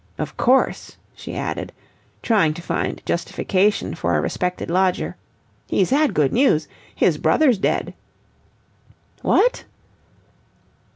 Of course," she added, trying to find justification for a respected lodger, "he's had good news. His brother's dead." "What!"